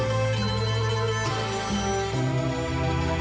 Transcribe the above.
โอ้โหโอ้โหโอ้โห